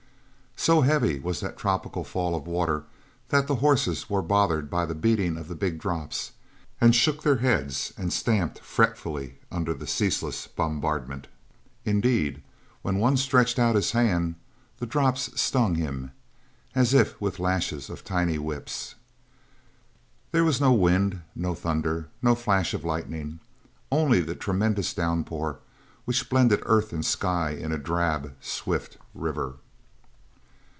So heavy was that tropical fall of water that the horses were bothered by the beating of the big drops, and shook their heads and stamped fretfully under the ceaseless bombardment. Indeed, when one stretched out his hand the drops stung him as if with lashes of tiny whips. There was no wind, no thunder, no flash of lightning, only the tremendous downpour which blended earth and sky in a drab, swift river.